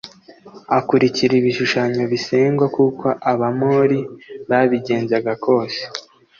akurikira ibishushanyo bisengwa nk’uko Abamori babigenzaga kose